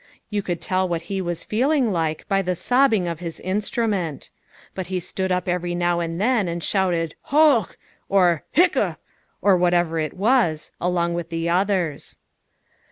You could tell what he was feeling like by the sobbing of his instrument. But he stood up every now and then and yelled "Hoch!" or "Hiccough!" or whatever it was along with the others.